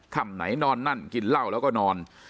ค่ำไหนนอนนั่นกินเหล้าแล้วก็นอน